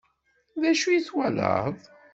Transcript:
D acu i twalaḍ?